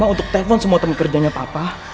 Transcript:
untuk telepon semua teman kerjanya papa